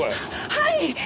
はい！